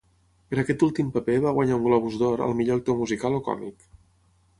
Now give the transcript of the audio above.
Per aquest últim paper va guanyar un Globus d'Or al millor actor musical o còmic.